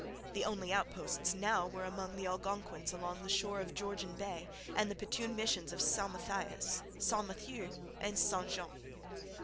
The only outposts now were among the Algonquins along the shore of Georgian Bay, and the Petun missions of St Mathias, St Matthieu, and St Jean.